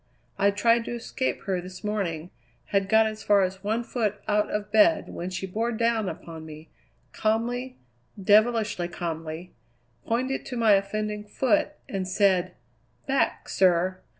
I tried to escape her this morning; had got as far as one foot out of bed when she bore down upon me, calmly, devilishly calmly, pointed to my offending foot, and said: "Back, sir!"